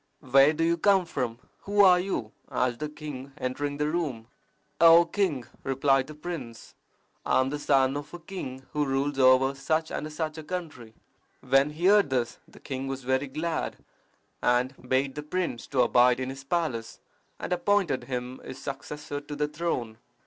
"Where do you come from? Who are you?" asked the king, entering the room. "O king!" replied the prince, "I am the son of a king who rules over such and such a country." When he heard this the king was very glad, and bade the prince to abide in his palace, and appointed him his successor to the throne.